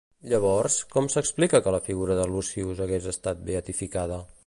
Llavors, com s'explica que la figura de Lucius hagués estat beatificada?